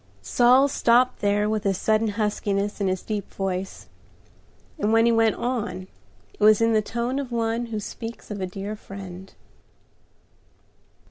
Saul stopped there with a sudden huskiness in his deep voice, and when he went on it was in the tone of one who speaks of a dear friend.